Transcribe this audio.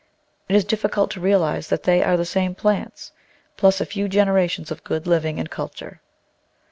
It is difficult to realise that they are the same plants, plus a few generations of good living and culture.